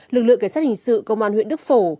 lực lượng cảnh sát hình sự công an huyện đức phổ